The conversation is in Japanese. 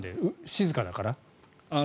静かだから？